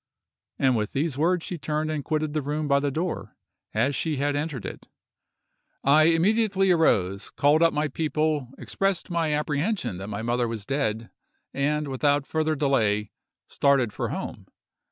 And with these words she turned and quitted the room by the door, as she had entered it. I immediately arose, called up my people, expressed my apprehension that my mother was dead, and, without further delay, started for home.